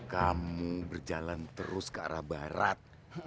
kamu berjalan terus ke arah barat